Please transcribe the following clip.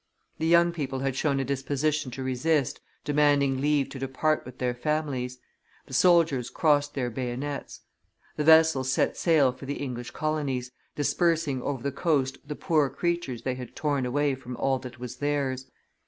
The young people had shown a disposition to resist, demanding leave to depart with their families: the soldiers crossed their bayonets. The vessels set sail for the English colonies, dispersing over the coast the poor creatures they had torn away from all that was theirs.